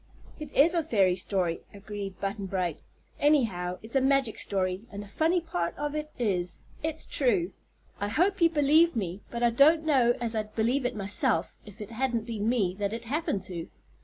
"It is a fairy story," agreed Button Bright. "Anyhow, it's a magic story, and the funny part of it is, it's true. I hope you believe me; but I don't know as I'd believe it myself, if it hadn't been me that it happened to."